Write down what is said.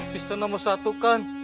tista nomor satu kan